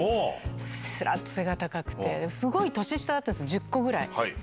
すらっと背が高くて、すごい年下だったんです、１０個ぐらい。